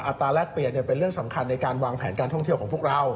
ตราแลกเปลี่ยนเป็นเรื่องสำคัญในการวางแผนการท่องเที่ยวของพวกเรา